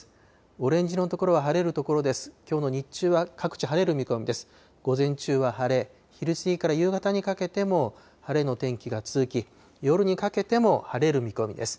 オレンジ色の所は晴れる所です。